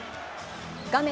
画面